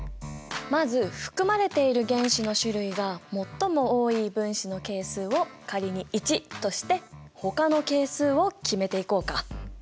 まず含まれている原子の種類が最も多い分子の係数を仮に１としてほかの係数を決めていこうか。